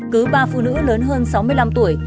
cứ ba phụ nữ lớn hơn sáu mươi năm tuổi